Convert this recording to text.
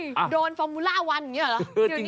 โดนฟอร์มูล่าวันอย่างนี้เหรอ